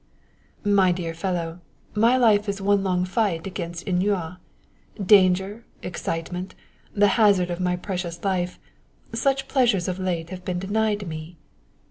"My dear fellow, my life is one long fight against ennui. Danger, excitement, the hazard of my precious life such pleasures of late have been denied me."